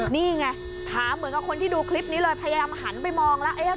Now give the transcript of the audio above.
นี่ไงถามเหมือนกับคนที่ดูคลิปนี้เลยพยายามหันไปมองแล้ว